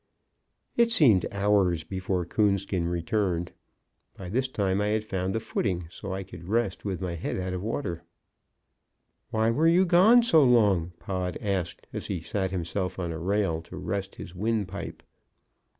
It seemed hours before Coonskin returned. By this time I had found a footing so I could rest with my head out of water. "Why were you gone so long?" Pod asked, as he sat himself on a rail to rest his windpipe.